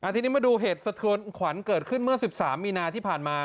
ทีนี้มาดูเหตุสะเทือนขวัญเกิดขึ้นเมื่อ๑๓มีนาที่ผ่านมา